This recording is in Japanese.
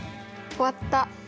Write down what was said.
終わった。